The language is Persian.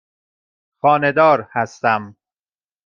خانه دار هستم.